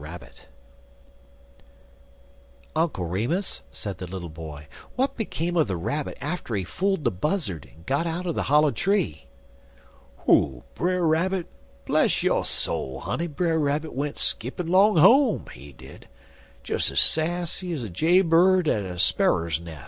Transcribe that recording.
RABBIT "UNCLE REMUS," said the little boy, "what became of the Rabbit after he fooled the Buzzard, and got out of the hollow tree?" "Who? Brer Rabbit? Bless yo' soul, honey, Brer Rabbit went skippin' long home, he did, des ez sassy ez a jay bird at a sparrer's nes'.